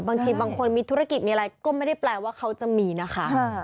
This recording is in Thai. บางทีบางคนมีธุรกิจมีอะไรก็ไม่ได้แปลว่าเขาจะมีนะคะ